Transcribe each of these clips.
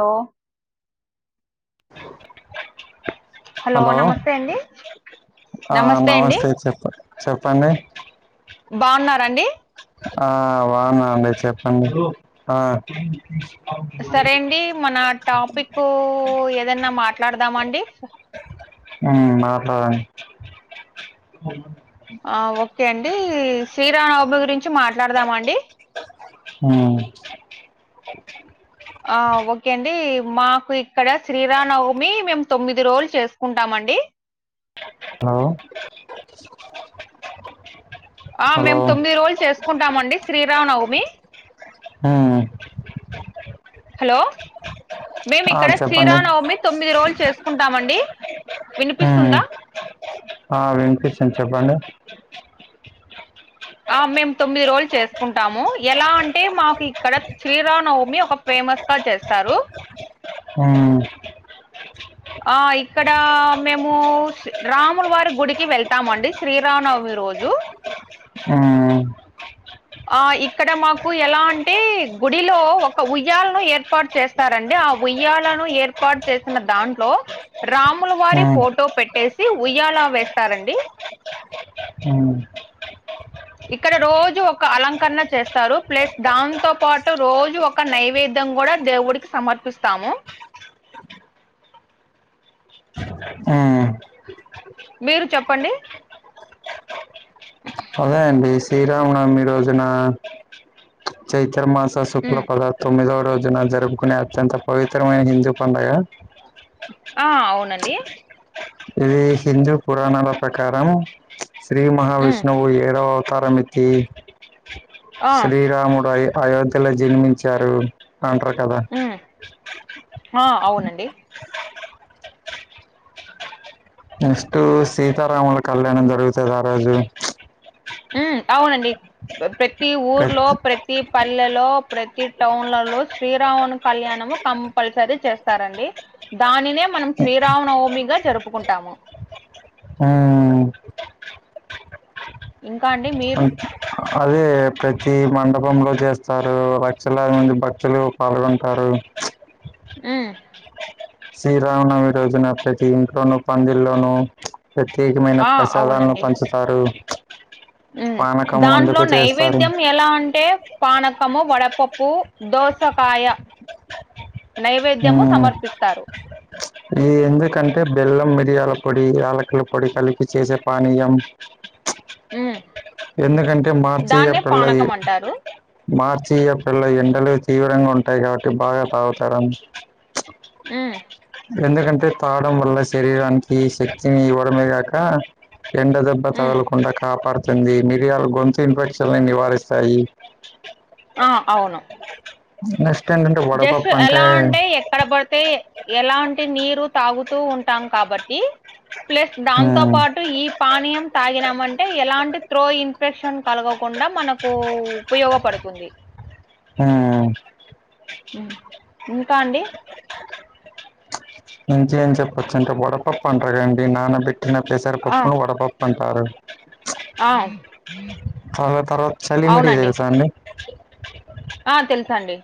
ఓ hello నమస్తే అండి ఆ నమస్తే చెప్ప చెప్పండి బాగున్నారండి ఆ బాగున్నా అండి చెప్పండి ఆ సరే అండి మన టాపిక్ ఏదన్నా మాట్లాడదామండి ఉ మాట్లాడండి ఓకే అండి శ్రీరామనవమి గురించి మాట్లాడదామండి ఉమ్ ఆ ఓకే అండి మాకు ఇక్కడ శ్రీరానవమి మేము తొమ్మిది రోజులు చేసుకుంటామండి హలో ఆ హలో మేము తొమ్మిది రోజులు చేసుకుంటామండి శ్రీరామనవమి ఉమ్ హలో మేము ఆ ఇక్కడ చెప్పండి శ్రీరామనవమి తొమ్మిది రోజులు చేసుకుంటామండి హు వినిపిస్తుందా ఆ వినిపిస్తుంది చెప్పండి ఆ మేము తొమ్మిది రోజులు చేసుకుంటాము ఎలా అంటే మాకు ఇక్కడ శ్రీరానవమి ఒక ఫేమస్ గా చేస్తారు హ ఆ ఇక్కడ మేము రాములు వారి గుడికి వెళ్తామండి శ్రీరామనవమి రోజు ఆ ఆ ఇక్కడ మాకు ఎలా అంటే గుడిలో ఒక ఉయ్యాలను ఏర్ ర్పాటు చేస్తారండి ఆ ఉయ్యాలను ఏర్పాటు చేసిన దాన్ ట్లో రాముల వారి ఉమ్ ఫోటో పెట్టేసి ఉయ్యాలా వేస్తారండి అ ఇక్కడ రోజు ఒక అలంకరణ చేస్తారు ప్లస్ దాంతో పాటు రోజు ఒక ఒక నైవేద్యం కూడా దేవుడికి సమర్పిస్తాము ఆ మీరు చెప్పండి అదేండి శ్రీరామనవమి రోజున చైత్ర మాస శుక్ల ఉమ్, పదార్థ తొమ్మిదవ రోజున జరుపుకునే అత్యంత పవిత్రమైన హిందూ పండగ ఆ అవునండి ఇది హిందూ పురాణాల ప్రకారం శ్రీ ఉమ్, మహావిష్ణువు ఏడవ అవతారమెత్తి ఆ శ్రీరాముడై అయోధ్యలో జన్మించారు అంటారు కదా ఉమ్, ఆ అవునండి నెక్స్ట్ సీతారాముల కళ్యాణం జరుగుతది ఆ రోజు ఉమ్ అవునండి ప్రతి ఊర్లో ప్రతి ప్రతి పల్లెలో ప్రతి టౌన్లలో శ్రీరాముని కళ్యాణము కంపల్సరీ చేస్తారండి దానినే మనం శ్రీరామ నవమిగా జరుపుకుంటాము ఉమ్ ఇంకా అండి మీ అదే ప్రతి మండపంలో చేస్తారు లక్షలాది మంది భక్తులు పాల్గొంటారు ఉ శ్రీరామనవమి రోజున ప్రతి ఇంట్లోనూ పందిల్లోనూ ప్రత్యేకమైన ఆ ప్రసాదాలను పంచుతారు ఉ పానకం దాంట్లో అందుకు చేస్తారు నైవేద్యం ఎలా అంటే పణకము వడపప్పు దోసకాయ నైవేద్యము సమర్పిస్తారు ఈ ఎందుకంటే బెల్లం మిరియాల పొడి యల్లక్కల పొడి కలిపి చేసే పానీయం ఉమ్, ఎందుకంటే మార్చి దాన్నే ఏప్రిల్ లో పానకం అంటారు మార్చి ఏప్రిల్ లో ఎండలు తీవ్రంగా ఉంటాయి కాబట్టి బాగా తాగుతారం ఉమ్మ్ ఎందుకంటే తాగడం వల్ల శరీరానికి శక్తిని ఇవ్వడమే గాక ఎండ దెబ్బ ఉమ్ తగలకుండా కాపాడుతుంది మిరియాలు గొంతు ఇన్ఫెక్షన్ నివారిస్తాయి ఆ అవును నెస్ట్ ఏంటంటే వడపప్పు అంటే అక్కడ బడితే ఎలాంటి నీరు తాగుతూ ఉంటాం కాబట్టి ప్లేస్ దాంతో ఉమ్, పాటు ఈబ్ పానీయం తాగినం అంటే ఎలాంటి త్రో ఇన్ఫెక్షన్ కలగకుండా మనకు ఉపయోగపడుతుంది ఆ ఉమ్మ్ ఇంకా అండి ఇంకేం చెప్పొచ్ అంటే వడపప్పు అంటారుగాండి నానబెట్టిన పెసరపప్పును వడపప్పు పంటారు ఆమ్మ్ చాలా తర్వాత చలిమిడి తెల్సా అండి ఆ తెలుసండి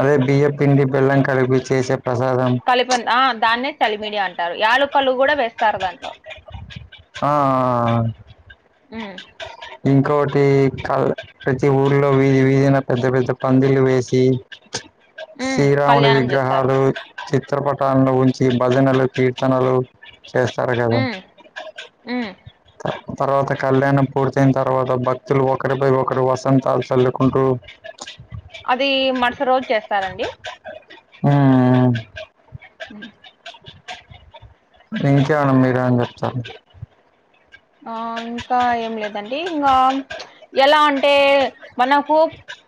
అదే బియప్ పిండి బెల్లం కలిపి చేసే ప్రసాదం కలిపి ఆ దాన్నే చలిమిడి అంటారు యలకలు గూడ వేస్తారు దాంట్లో ఆ ఆ ఆ ఉమ్ ఇంకోటి కల్ ప్రతి ఊళ్లో వీధి వీధిన పెద్ద పెద్ద పందిళ్లు వేసి ఉమ్ శ్రీరాముడి కళ్యాణం చేస్తారు విగ్రహాలు చిత్రపటాలల్లో ఉంచి భజనాలు కీర్తనలు చేస్తారు గదా ఉమ్మ్ తర్వాత కళ్యాణం పూర్తయిన్ తర్వాత భక్తులు ఒకరిపై ఒకరు వసంతాలు చల్లుకుంటూ అది మరస రోజ్ చేస్తారండి ఉమ్మ్ ఉమ్మ్ ఇంకేవన్న మీరేం అని చెప్తారు ఆ ఇంకా ఏం లేదండి ఇంగా ఎలా అంటే మనకు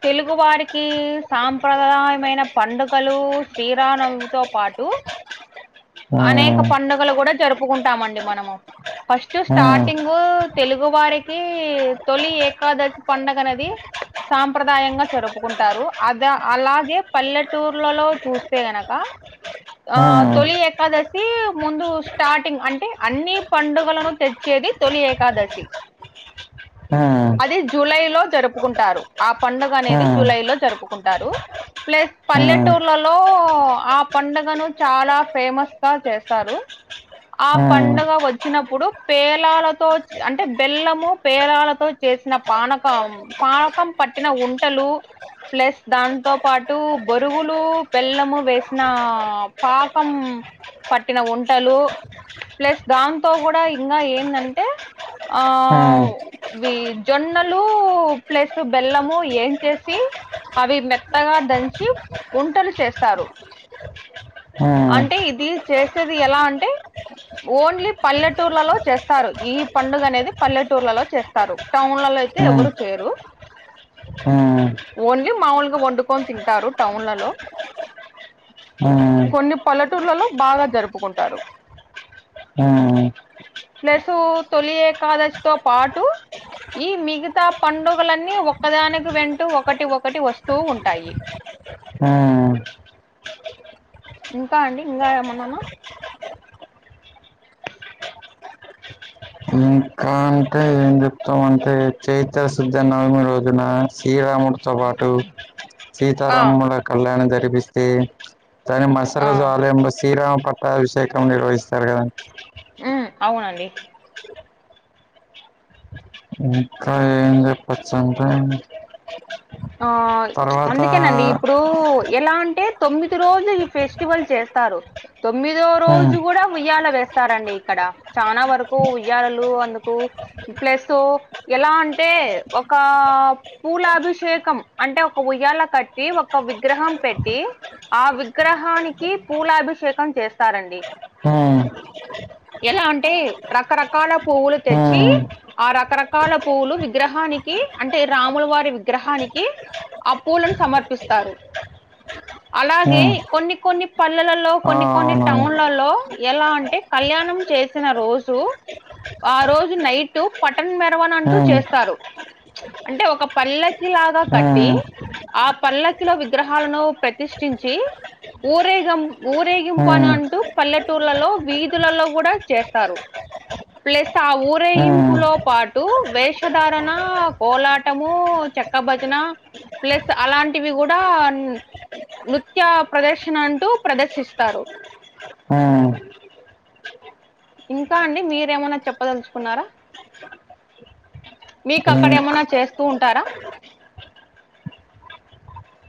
తెలుగు వారికి సాంప్రదాయమైన పండగలు శ్రీరానవిమితో పాటు టు అనేక మ్మ్. పండగలు గూడ జరుపుకుంటామండి మనము ఫస్ట్ మ్మ్. స్టార్టింగ్ తెలుగు వారికి తొలి ఏకాదశి పండగ అనేది సాంప్రదాయంగా జరుపుకుంటారు అద అలాగే పల్లెటూర్లలో చూస్తే గానక ఆ మ్మ్. తొలి ఏకాదశి ముందు స్టార్టింగ్ అంటే అన్ని పండుగలను తెచ్ చేది తొలి ఏకాదశి ఆ అది జూలై లో జరుపుకుంటారు ఆ పండగనేది మ్మ్. జూలై లో జరుపుకుంటారు ప్లేస్ మ్మ్. పల్లెటూర్లలో ఆ పండగను చాలా ఫేమస్ గా చేస్తారు ఆ ఇంకా పండగ వొచ్చినప్పుడు పేలాలతో చ్ అంటే బెల్లము పేలాలతో చేసిన పానకం పానకం పట్టిన ఉంటలు ప్లేస్ దాంతో పాటు బొరుగులు బెల్లము వేసిన పాకం పట్టిన ఉంటలు ప్లేస్ దాంతో గూడా ఇంగా ఏందంటే ఆవు వీ జొన్నలు ప్లస్ బెల్లము ఏంచేసి అవి మెత్తగా దంచి గుంటలు చేస్తారు అంటే ఇది చేసేది ఎలా అంటే ఓన్లీ పల్లెట్ ల్లెటూర్లలో చేస్తారు ఈ పండుగనేది పల్లెటూర్లలో చేస్తారు టౌన్లలో అయితే ఎవరు చేయరు ఓన్లీ మాములుగా వండుకొని తింటారు టౌన్లలో కొన్ని పల్లెటూర్లలో బాగా జరుపుకుంటారు ఆ ప్లస్సు తొలి ఏకాదశితో పాటు ఈ మిగతా పండుగలన్నీ ఒక్కదానికి వెంటూ ఒకటి ఒకటి వస్తూ ఉంటాయి హ్మ్ ఇంకా అండి ఇంగ ఏమన్నానా ఇంకా అంటే ఏం చెప్ త్తం అంటే చైత్రశుద్ధ నవమి రోజున శ్రీరాముడు తో పాటు ఆ సీతారాముల కళ్యాణం జరిపిస్తే దాని ఆ మరుసరోజు ఆలయం లో శ్రీరామ పట్టాభిషేకం నిర్వహిస్తారు కద ఏ అవునండి ఇంక ఏం చెప్పచ్చంటే ఆ ప్చ్ అందుకేనండి ఇప్పుడు ఎలా అంటే తొమ్మిది రోజులు ఈ ఫెస్టివల్ చేస్తారో తొమ్మిదో ఉమ్, రోజు గూడా ఉయ్యాల వేస్ స్తారండి ఇక్కడ చానా వరకు ఉయ్యాలలు అందుకు ప్లేస్సు ఎలా అంటే ఒక పూలాభిషేక్ కం అంటే ఒక ఉయ్యాల కట్టి ఒక విగ్రహం పెట్టి ఆ విగ్రహానికి పూలాభిషేకం చేస్తారండి హ్మ్ ఎలా అంటే రకరకాల పువ్వులు తెచ్చి ఉమ్, ఆ రకరకాల పువ్వులు విగ్రహానికి అంటే రాముల వారి విగ్రహాని కి ఆ పూలను సమర్పిస్తారు అలాగే ఉమ్, కొన్ని కొన్ని పల్లెలల్లో ఆ, కొన్ని కొన్ని అవునవును టౌన్లల్లో ఎలా అంటే కళ్యాణం చేసిన రోజు ఆ రోజు నైటు పటన్ మెరువన్ అంటూ ఉమ్, చేస్తారు అంటే ఒక పల్లకిి లాగా కట్టి ఉమ్, ఆ పల్లకిలో విగ్రహాలను ప్రతిష్ఠించి ఊరేగం ఊరేగింపను ఉమ్. అంటూ పల్లెటూర్లలో వీధులల్లో గూడా చేస్తారు ప్లస్ ఆ ఆ ఊరేగింపు లో పాటు వేషధారణ కోలాట్ టము చెక్క భజన ప్లస్ అలాంటివి గూడా న్ నృత్య ప్రదర్శన అంటూ ప్రదర్శిస్తారు హ్మ్ ఇంకా అండి మీరేమన్నా చెప్పదలుచుకున్నారా మీకక్కడెమన్నా చేస్తూ ఉంటారా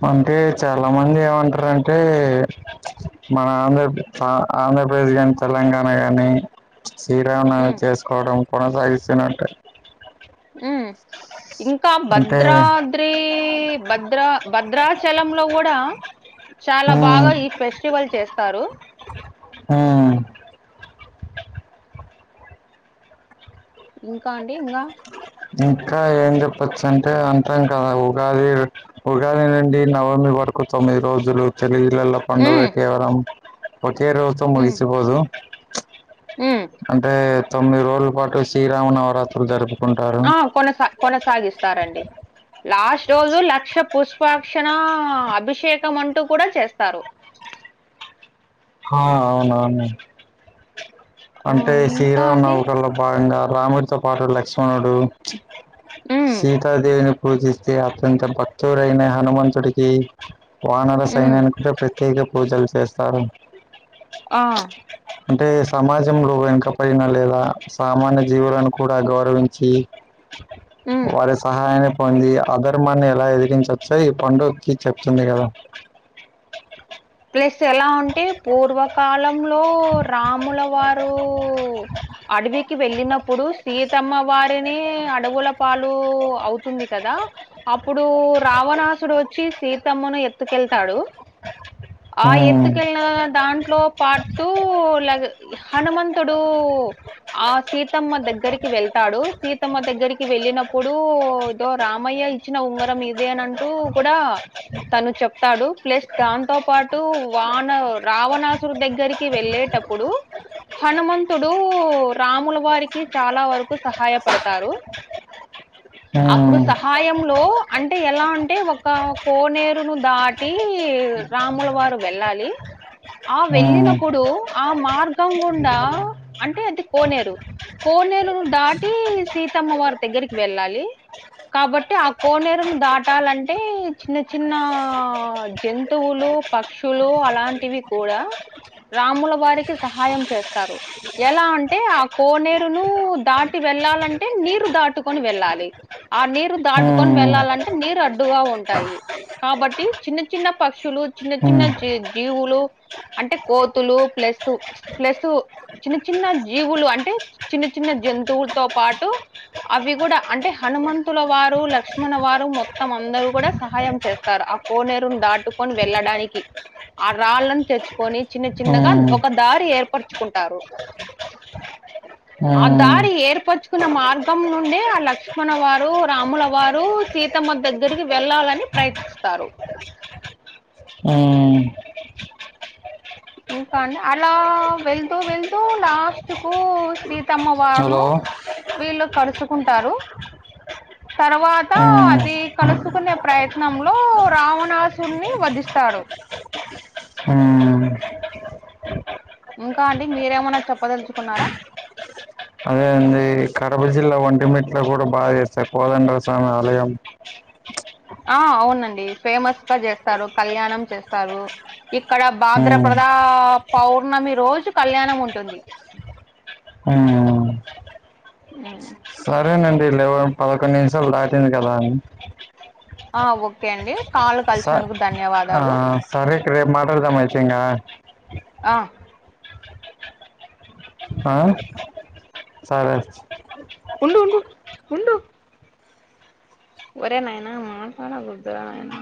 అంటే చాలా మంది ఏమంటరంటే మన ఆంధ్ర ఆ ఆంధ్రప్రదేశ్ కాని తెలంగాణ గాని శ్రీరామనవమి హ్మ్. చేసుకోవడం కొనసాగిస్తునట్టే హ్మ్ ఇంకా అంటే భద్రా ద్రి భద్రా భద్రాచలంలో కూడా చాలా ఉమ్ బాగా ఈ ఫెస్ స్టివల్ చేస్తారు ఆ ఇంకా అండి ఇంగా ఇంకా ఏం చెప్పచ్చ అంటే అంటం కదా ఉగాది ఉగాదేనండి నవమి వరకు తొమ్మిది రోజులు తెలి ఇలలో పండుగ హ్మ్. కేవరం ఒకే రోజ్తో హ్మ్. ముగిసిబోదు హ్మ్. అంటే తొమ్మిది రోజుల పాటు శ్రీరామ నవరాత్రులు జరుపుకుం ఆ కొనసా కొనసాగిస్తారండి. లాస్ట్ రోజు లక్ష పుష్పాక్షణ అభిషేకం అంటూ కూడా చేస్తారు ఆ అవునవును ఆ! అంటే ఇంకా అండి సిరామనవమి కల్లా భాగంగా రాముడితో పాటు లక్ష్మణుడు హ్మ్. సీతాదేవిని పూజిస్తే అత్యంత భక్తుడైన హనుమంతుడికి వానర హ్మ్. సైన్యానిక కూడ ప్రత్యేక పూజలు చేస్తారు ఆ అంటే సమాజంలో వెనక పడినా లేదా సామాన్య జీవులను కూడా గౌరవించి. హ్మ్. వాడి సహాయాని కొంది అధర్మాన్ని ఎలా ఎదిగించొచ్చో ఈ పండుగ్కి చెప్తుంది గదా ప్లేస్ ఎలా ఉంటే పూర్వకాలంలో రాముల వారూ అడవికి వెళ్ళినప్పుడు సీతమ్మ వారినే అడవుల పాలు అవుతుంది కదా అప్పుడు రావణాసుడు వచ్చి సీతమ్మను ఎత్తుకెళ్తాడు ఆ ఉమ్, ఎత్తుకెళ్ళిన దాంట్లో పాటు ల హనుమంతుడు ఆ సీతమ్మ దగ్గరికి వెళ్తాడు సీతమ్మ దగ్గరికి వెళ్ళినప్పుడు ఏదో రామయ్య ఇచ్చిన ఉంగరం ఇదే అనంటూ కూడా తను చెప్తాడు ప్లస్ దాంతో పాటు వాన రావణాసురు దగ్గరికి వెళ్ళేటప్పుడు హనుమంతుడు రాముల వారికి చాలా వరకు సహాయపడతారు అప్పుడు ఉమ్, సహాయంలో అంటే ఎలా అంటే ఒక కోనేరును దాటి రాముల వారు వెళ్ళాలి ఆ ఉమ్, వెళ్ళినప్పుడు ఆ మార్గం గుండా అంటే అది కోనేరు కోనేరును దాటి సీతమ్మ వారి దగ్గరికి వెళ్ళాలి కాబట్టి ఆ కోనేరును దాటాలంటే చిన్న చిన్న జంత్ జంతువులు పక్షులు అలాంటివి కూడా రాముల వారికి సహాయం చేస్తారు ఎలా అంటే ఆ కోనేరును దాటి వెళ్ళాలంటే నీరు దాటుకొని వెళ్ళాలి ఆ నీరు దాటుకొని ఉమ్, వెళ్ళాలంటే నీరు అడ్డుగా ఉంటాయి కాబట్టి చిన్న చిన్న పక్షులు చిన్న చిన్న ఉమ్, జి జీవులు అంటే కోతులు ప్లస్సు ప్లస్సు చిన్న చిన్న జీవులు అంటే చిన్న చిన్న జంతువుతో పాటు అవి కూడా అంటే హనుమంతుల వారు లక్ష్మణ వారు మొత్తం అందరు కూడా సహాయం చేస్తారు ఆ కోనేరును దాటుకొని వెళ్ళడానికి ఆ రాళ్ళలను తెచ్చుకొని చిన్న చిన్నగా ఉమ్, ఒక దారి ఏర్పరుచుకుంటారు ఆ ఉమ్, దారి ఏర్పరచుకున్న మార్గం నుండే ఆ లక్ష్మణ వారు రాముల వారు సీతమ్మ దగ్గరికి వెళ్ళాలని ప్రయత్నిస్తారు ఉ ఇంకా అండి అలా వెళ్తూ వెళ్తూ లాస్ట్ కు సీతమ్మవారను హలో వీళ్ళు కలుసుకుంటారు తర్వాత ఉమ్. అది కలుసుకునే ప్రయత్నంలో రావణాసుడిని వధిస్తాడు హామ్ ఇంకా అండి మీరేమన్నా చెప్పదలుచుకున్నారా అదే అండి కడప జిల్లా ఇ వంటిమిట్లు కూడా బాగా చేస్తాయి కోదండర స్వామి ఆలయం ఆ అవునండి ఫేమస్ గా చేస్తారు కళ్యాణం చేస్తారు ఇక్కడ బాద్ర ఉమ్ ప్రధా పౌర్ణమి రోజు కళ్యాణం ఉంటుంది హామ్ ఆ సరేనండి లేవ పదకొండు నిమిషాలు దాటింది కదా అని ఆ ఓకే అండి కాల్ స కలిసినందుకు ధన్యవాదాలు సరే ఇంకా రేపు మాట్దాం అయితేఇంకా ఆ ఆ సరే ఉండు ఉండు ఉండూ ఒరేనైనా మాసడా గుడ్ద్దనా